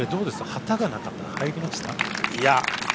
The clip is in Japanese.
旗がなかったら入りました？